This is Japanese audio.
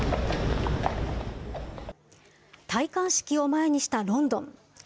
戴冠式を前にしたロンドン。